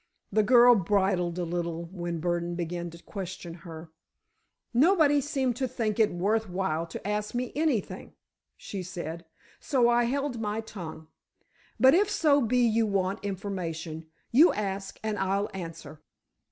The girl bridled a little when Burdon began to question her. "Nobody seemed to think it worth while to ask me anything," she said, "so I held my tongue. But if so be you want information, you ask and I'll answer."